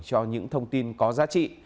cho những thông tin có giá trị